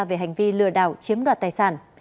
về hành vi lừa đảo chiếm đoạt tài sản